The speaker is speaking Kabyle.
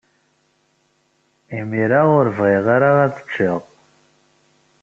Imir-a, ur bɣiɣ ara ad ččeɣ.